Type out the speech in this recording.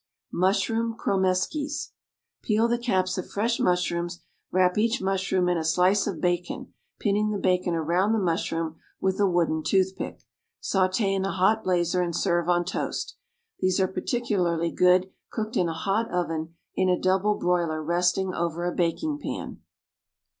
=Mushroom Cromeskies.= (See cut facing page 198.) Peel the caps of fresh mushrooms; wrap each mushroom in a slice of bacon, pinning the bacon around the mushroom with a wooden toothpick. Sauté in a hot blazer and serve on toast. These are particularly good, cooked in a hot oven in a double broiler resting over a baking pan.